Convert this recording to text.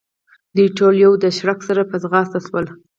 دوی ټول د یوه شړک سره په ځغاسته شول.